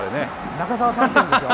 中澤さんって言うんですよ。